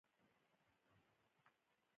ازادي راډیو د تعلیم وضعیت انځور کړی.